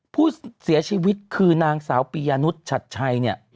ผู้เสียชีวิตคือนางสาวปียานุษย์ชัดชัยเนี่ย